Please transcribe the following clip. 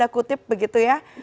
kutip begitu ya